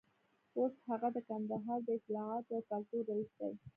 اوس هغه د کندهار د اطلاعاتو او کلتور رییس دی.